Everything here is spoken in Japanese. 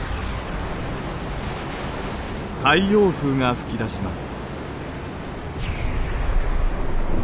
太陽風が噴き出します。